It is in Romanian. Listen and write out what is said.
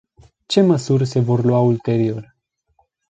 Ce măsuri se vor lua ulterior?